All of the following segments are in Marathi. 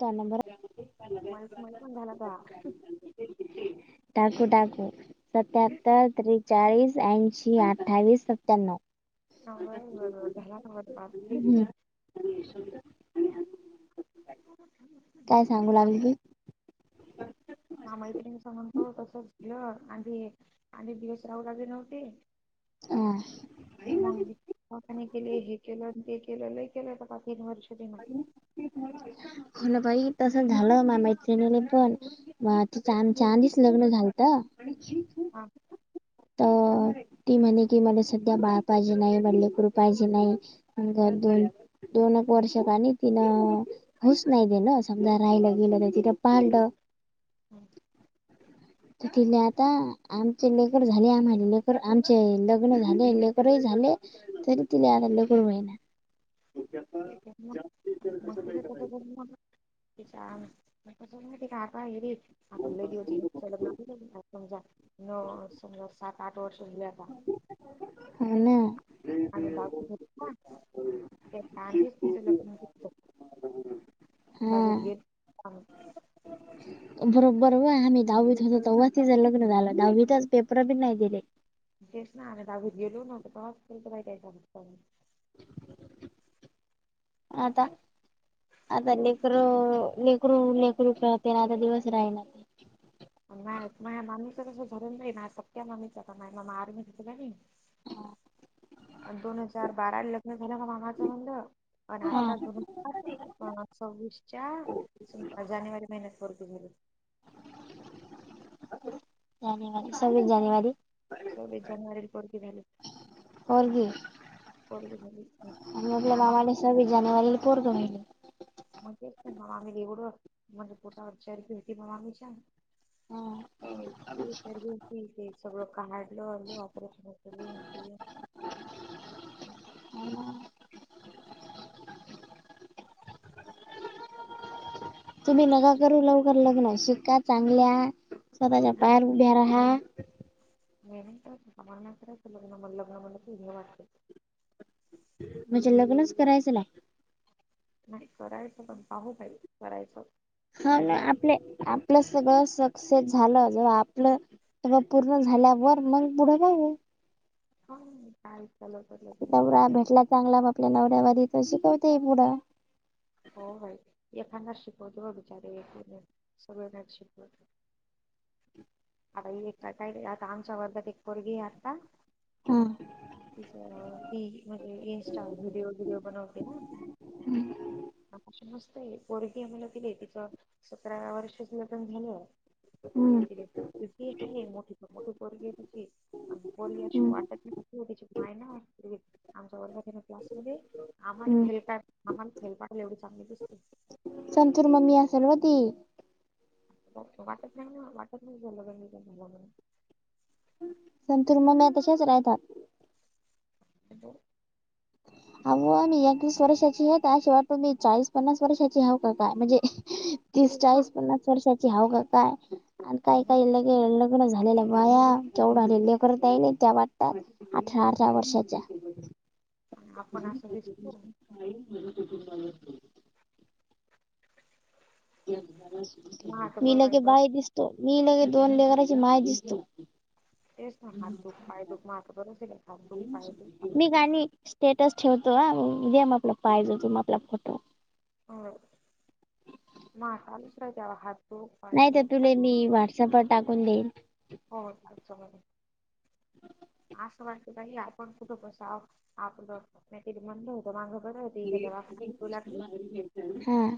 त्या नंबर त्यामध्ये व्हॉइस ऐकून झालं का. टाकू टाकू सत्यातर त्रीक. चाळीस, ऐंशी, अठ्ठावीस, सत्त्याण्णव. ह बरो बरोबर झाला बरब [unintelligible] [inaudible] काय सांगू लागली ती. मामईत्रिण सां म्हगतो तसच दिलं आणिी आधी लागली नव्हती [unintelligible] ह. मग मकाने केले हे केलं ते केलं ल केलं का तीन वर्ष दि म्ह [unintelligible] हो ना बाई तस झालं मा मैत्रिणीले पण. मग आता त्यांचं आधीच लग्न झालं होतं. हा. तर ती म्हणे की मला सध्या बाळ पाहिजे नाय लेकरू पाहिजे नाय. घर दोन दोन एक वर्ष का नाही. होऊच नाही दिलं समझा राहिलं तर तिने पाडलं. हम. त तिले आता आमचे लेकर झाले आम्हाला लेकर आमचे लग्न झाले लेकर. झालं तरी तिला आता लेकरं होईना. ते मस् [unintelligible] तच्या काता हेरी. [unintelligible] आता समजा लग्नाला लय दिवस झालेत, समजा सात आठ वर्ष झाले हां. हो ना. द तेच [unintelligible] हा बाजेेत घेत का [unintelligible] बरोबबर वय आम्ही दहावीत होतो तव्हा तिचं लग्न झालं, दहावीतच पेपरं बी नाही दिले. तेच ना, आम्ही धावीतं गेलोई नव्हतो तेव्हापासून ट्राय चालू आहे [unintelligible] आता, आता लेकरं लेकरं करू लेकरू करते ना आता दिवस राहिणात. नाही माझ्या मामीच तसं झरून नाही ना सक्या मामीच का नाही मा आर्मी घेतला नाही [unintelligible] आणि दोन हजार बाराला लग्न झालं माझ्या मामाचं म्हणलं, आणि हा आता दोन आता सविस च्या, जानेवारी महिन्यात पोरगी झाली. काय नाय काय नाय सव्विस जानेवारी. सव्वीस जानेवारीला पोरगी झाली. पोरगी पोरगी झाली मग आणि आपल्या मामा मामाने सव्वीस जानेवारीला पोरगं व्हायलं. मग तेच म मामी एवढं म्हणजे पोटावरच घे होती म मामीच्या [unintelligible] ते तर ते सगळं क हाय [unintelligible] [unintelligible] ह [inaudible] [inaudible] तुम्ही नका करू लवकर लग्न, शिका चांगल्या स्वतःच्या नाही पायावर उभ्या रहा. [unintelligible] म्हणजे लग्नच करायचं नाय. नाय करायचं पण पाहू काय य करायचं. हा ना करायचं आपले आप आपलं सगळं सक्सेस झालं, जर आपलं सगळ पूर्ण झाल्यावर मग पुढं बघु. [unintelligible] का [unintelligible] नवरा भेटला चांगला मापल्या नवऱ्या वानी त शिकवते पुढं. हो बाई, एखांदाच शिकवतो व बिचारे, सगळे नाईत शिकवत. हे तर काही नाही, आता आमच्या वर्गात एक पोरगीए आता हम्म. तिचं अ ती मंजे इन्स्टावर वीडिओ गीडिओ बनवते ना. तशी मस्तय, पोरगीए मनलं तिले तिचं सत्राव्या वर्षीच लगन झालं. हम्म. यव्डूशी ए नाती मोठीच्या मोठी पोरगीए तिची, अन पोरगी अशी हम्म वाटत नाईए तिची पाय न, मंजे आमच्या वर्गात ए न क्लासमद्ये, आमाले हम्म फेल काड आमाल फेल पाडलं एवढी चांगली दिसते. संतूर मम्मी असल व ती. वाटत नाई न, वाटत नाई ईचं लगन बीगन झालं मनून. संतुर मम्या तशाच रायतात. [unintelligible] आव मी एकवीस वर्षाचीए त् आशि वाट्टे नी, म्हनजे चाळीस पन्नास वर्षाची हावका काय, मजे तीस तेच ना चाळीस पन्नास वर्षाची हाव का काय, आन काई काई म्हणूनच लगे ल लग्न झालेलया बाया केवडाले लेकरं त्यायेले त्या वाटतात आठरा- आठरा वर्षाच्या आपण आशे दिसतो. [unintelligible] माझं मी बरं आहे लगे बरं बाई दिस्तो, मी लगे दोन लेकची माय दिसतो. तेच ना हात दूक, पाय दुक, [inaudible] हात दुक, पाय दुक मी हाय गाणी स्टेटस ठेवतो आ.. दे मग आपला पाय देतो आपला फोटो होय, नाकालुस रे त्याला हात दुख पाय नाई ते दुख काय तुले मी व्हॉट्सअपवर टाकून देईन. हो, [inaudible] असं वाटतं बाई आपण कुठं बसाव आपलं नाहीतर मनलं होतं माग बरय. ते इतं दवाखाना तुला मी ह्म्म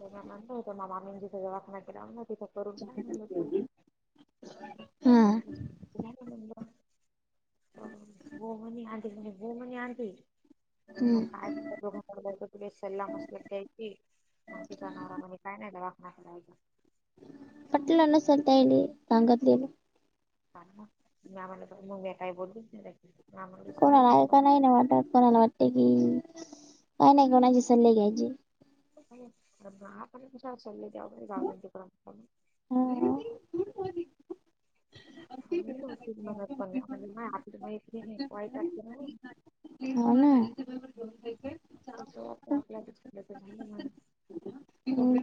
त म्या मनलं होतं मा मामीनं जितं दवाखाना केला तिथं करून टाक मनलं तू [unintelligible] हा हा.. हा.. हा.. भोगाने आण. [inaudible] आणतोय, हम्म मग काय? त्या दोघाकडूनच [inaudible] लांब असलं [inaudible] मामीच्या नवरा मध्ये काय नाई दवाखाना करायचा. पटलं नसल त्यायली.. सांगतलेलं. हा मंग म्या मनलं क मंग म्या काई बोललीच नाई बाई कोणला हाय का नाई निवांत कुणाला वाटतंय की.. काय नाई कुणाचे सल्ले घ्यायचे. आपण कशाला सल्ले द्यावे बई जाऊ दे न तिकडं ह्म्म... ह्म्म्म आम्ही [inaudible] आपली मैत्रीण आहे वाईट वाटतं ना ओ हो.. ना झोप मोडल्यगत [unintelligible]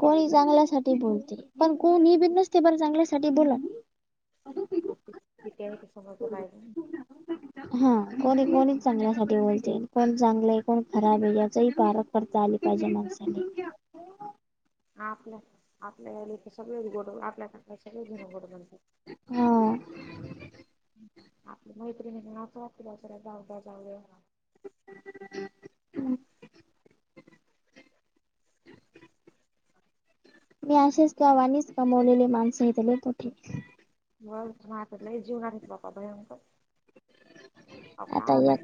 कोनी चांगल्या साटी बोलतेय, पण कोनी बी नसते बरं चांगल्यासाटी बोलत. [inaudible] हा, कोणी -कोणी चांगल्यासाटी बोलतेय, कोण चांगलय कोण खराब है याचं ही पारक. करता आली पायजे माणसा ला. आपल्या.. आपल्याले गल्लीतले सगळेच गोड, आपल्या सगळे जन गोड बोलतात. हा आपल्या मैत्रीतन अस वाटतय चला.. जाऊ दया, जाऊ दया हम् हा [inaudible] मी अशेस मीच कमावलेली माणसं इथून येत होती. बस मग आता लय जीवना घेतला का भयंकर आ.. व काय माहित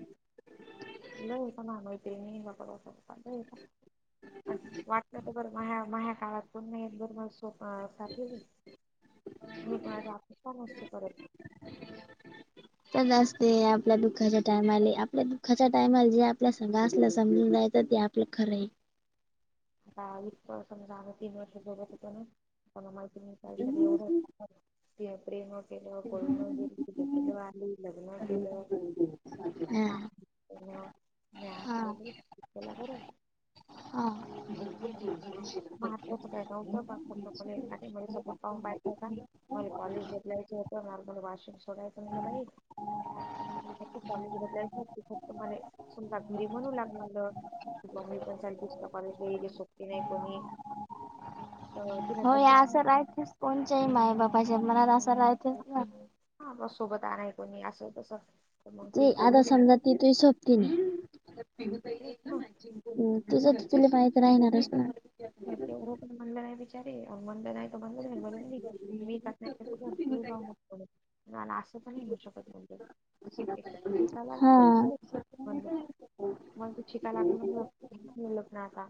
लय दिवसांनी आंघोळ केली मी [unintelligible] वाटलं तर बरं म्या.. माझ्या काळात पण नाही बर हा.. जाते मी, [inaudible] पण असते परत ह [inaudible] असच असते आपल्या दुःखाच्या टायमाले आपल्या दुःखाच्या टायमाला जे आपल्या संग आसल समजून जायचं ते आपल ते खर है. हा इतक समजा आम्ही तीन वर्ष बघत होतो ना, कुणाला माहित [unintelligible] ऐश्वर्य एवढं होताना, प्रेम होत. गेली पळून गेली, [inaudible] लग्न केल.. हो हा. म मी आता हा गेली तिला बर हे हा [unintelligible] [unintelligible] मला कॉलेज बदलायचं होतं, [unintelligible] [unintelligible] मम्मी [unintelligible] सोबती नाई कोणी? तिनं हो, तसं या पण असं राहतेस कोणच्याही मायबापाच्या मनात असं राहतेस ना. हा, बस सोबत आहे कोणी, असं-तसं, ती आता समजा ती तुजी सोबतीन हाय [unintelligible] तुझ तर तुला माहित राहीणारच ना. [unintelligible] [unintelligible] [unintelligible] [unintelligible] हा म्हणल मग, शिकायलागल म्हणल [unintelligible] आता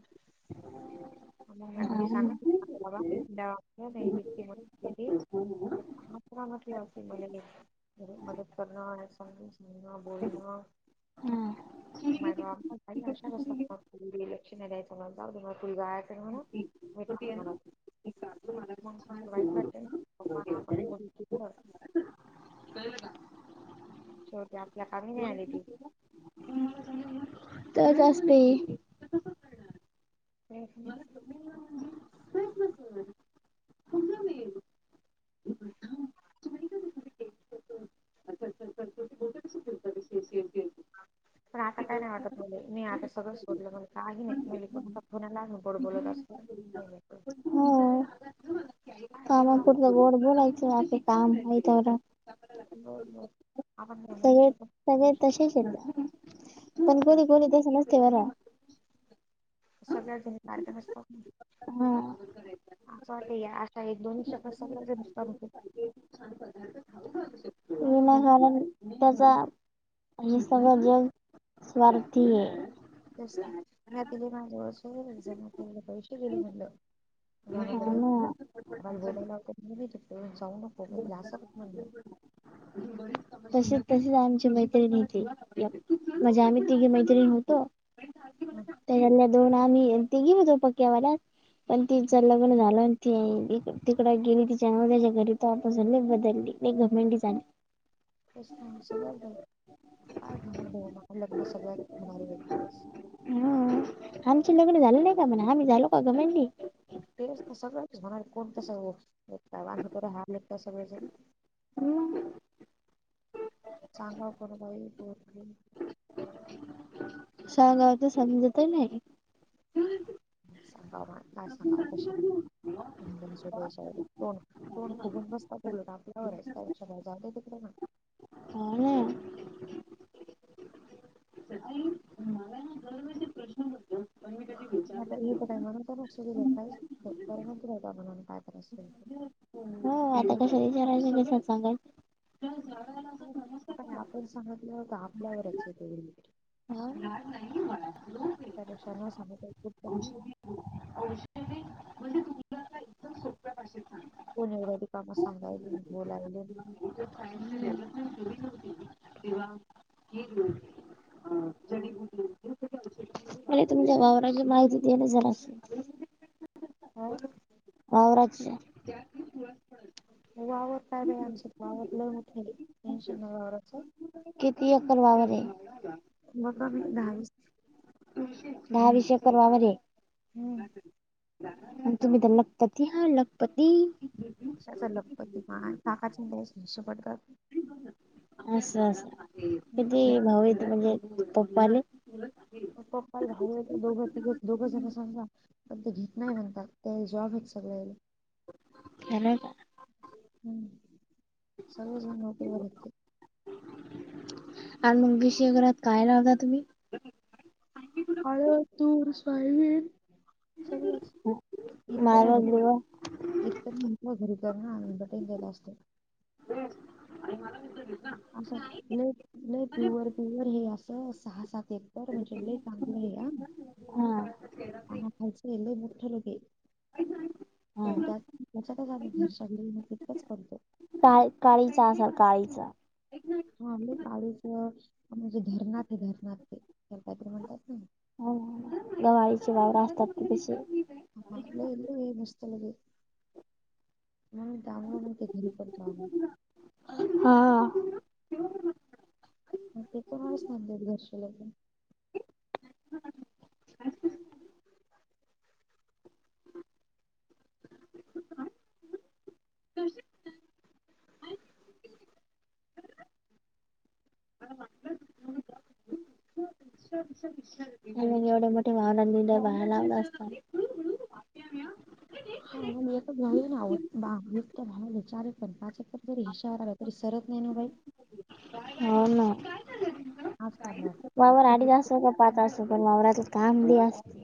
हा [unintelligible] [unintelligible] बोलन, बोलनं [unintelligible] [unintelligible] मग, तूला वाईट वाटेल. हा कोणी कितपत कळं का? शेवटी आपल्या कामी नाई आली ती. तसचं असतयं. [unintelligible] [inaudible] पण, आता काय नाई वाटत मला मी आता सगळं सोडलं, मला काही नाई मी [unintelligible] कोणाला आम्ही गोड बोलत असतो. पहिल तर, हो, करावं आपण कामापुरत गोड बोलायचं आपलं काम हाय तवरक. नों, नों सगळे, सगळे तसेच हायत. पण सगळ्या कोणी, कोणी तसं नसतं बर. सगळ्यात जणी सारख्या नसतात. हम. असं वाटते, या अशा एक दोन दिवसात सगळं [unintelligible] पदार्थ खाऊ घालू शकतो. सारख्या [unintelligible] त्याचा हे सगळं जग स्वार्थी ऐ. [unintelligible] हा ना. [unintelligible] तशी, तशीच आमची मैत्रिणी हाय इथे. म्हणजे आम्ही तिघी मैत्रिण होतो. मग त्याजातल्या दोन आम्ही ऐ. तिघी पण पक्क्यावाल्या हायत. पण, तिचं लग्न झालं आणि ती तिकड गेली तिच्या नवऱ्याच्या घरी तेव्हापासून लई बदलली. लई घमंडी झाली. [unintelligible] आमचं लग्न झालं नाही का म्हणा, आम्ही झालो का घमंडी? [unintelligible] हम्. चांगा कर बाई बोत. सांगावच समजत नाही. [unintelligible] तोंड फुगवून बसतात उलट आपल्यावरच त्यापेक्षा जाऊ दे बाई तिकडं. हो ना [unintelligible] हो आपण कशाला? विचारायचं बाई. [unintelligible] आता आपण सांगितलं तर आपल्यावरच येते. हो. त्यापेक्षा न सांगितलेलं बरं का नाही. कोणी एवढ्या त कामं सांगायली बोलायले. मले तुमच्या वावराची माहिती द्या ना जरासं. हा. वावराची. वावर काय बाई आमचं वावर लय मोठं तीन [unintelligible] वावराचं किती? एकर वावर आहे. मका बी दहा वीस दहा वीस एकर वावरे. हम्म. तुम्ही तर लखपती! हा लखपती! कशाचं? लखपती माय काकाचे मुलांचे हिस्से पडतात ना. असं असं किती? भाऊेत म्हणजे पप्पाले. [inaudible] पप्पाला भाऊ दोघं तिघं दोघजण समजा. पण ते घेत नाही म्हणतात ते जॉब आहेत सगळ्या. [unintelligible] [unintelligible] हम्म सगळेच नोकरी वाले आहेत ते. अन वीस एकरात काय? लावता तुम्ही. हळद, तूर, सोयाबीन, सगळंच एकर माळवा बिळवा [unintelligible] आणि मला विसरलीस ना. [unintelligible] लय प्युअर, प्युअर हे असं सहा, सात एकर म्हणजे लय चांगलं आहे या. हा [unintelligible] हा [unintelligible] का काळीचा असाल काळीचा. हा काळीच म्हणजे धरणात आहे धरणात ते कायतरी म्हणतात ना. हो. गवाळीची वावर असतात तशी [unintelligible] [unintelligible] मस्त मध्ये म्हणून [unintelligible] दां मा ते घरी पणतो आहे. हा. ते कोणाच म्हंद घर्शलं [unintelligible] [inaudible] म्हणून एवढे मोठे वाहनांनी डब्बा लावला असता. [unintelligible] तरी सरत नाही ना बाई. हो ना आज काल वावर तुक अडीच अस का पाच असो पण वावरातलं काम बी असतय.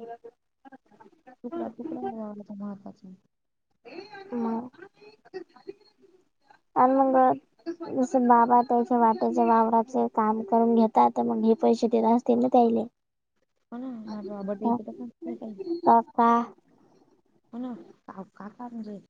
तुकडा तुकडा [unintelligible] मंग. आणि मंग जसं बाबा त्याच्या वाट्याच्या वावराचे काम करून घेतात मग हे पैसे देत असते ना त्याले? हो ना माझा बाबा [unintelligible] [unintelligible] हो ना काका म्हणजे